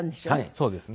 そうですね。